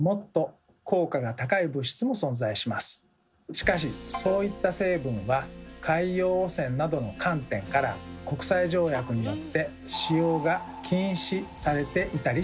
しかしそういった成分は海洋汚染などの観点から国際条約によって使用が禁止されていたりします。